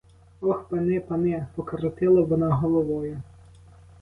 Ох, пани, пани, — покрутила вона головою.